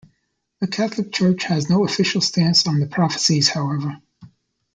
The Catholic Church has no official stance on the prophecies, however.